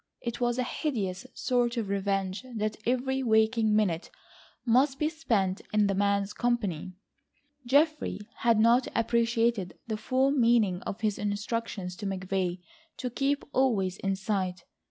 It was a hideous sort of revenge that every waking minute must be spent in the man's company. Geoffrey had not appreciated the full meaning of his instructions to McVay to keep always in sight.